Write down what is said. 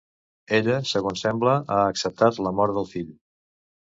Ella, segons sembla, ha acceptat la mort del fill.